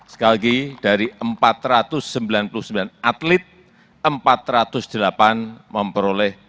sekali lagi dari empat ratus sembilan puluh sembilan atlet empat ratus delapan memperoleh